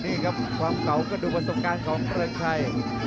นี่ครับความเก่าก็ดูประสบการณ์ของเริงชัย